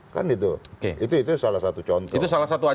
kan gitu itu itu salah satu contoh salah satu